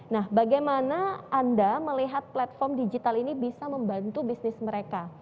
nah bagaimana anda melihat platform digital ini bisa membantu bisnis mereka